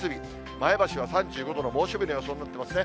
前橋は３５度の猛暑日の予想になってますね。